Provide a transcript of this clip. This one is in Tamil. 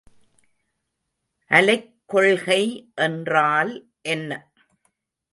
அலைக்கொள்கை என்றால் என்ன?